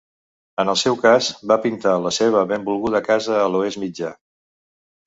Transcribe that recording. En el seu cas, va pintar la seva benvolguda casa a l'Oest Mitjà.